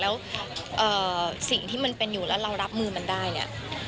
แล้วสิ่งที่มันเป็นอยู่แล้วเรารับมือมันได้เนี่ย